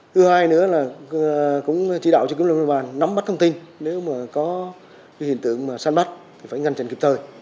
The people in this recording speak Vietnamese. thứ hai nữa là cũng chỉ đạo cho công an nắm bắt thông tin nếu mà có hiện tượng săn bắt thì phải ngăn chặn kịp thời